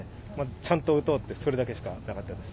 ちゃんと打とうって、それだけしかなかったです。